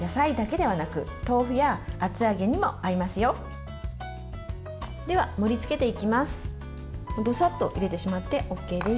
では盛りつけていきます。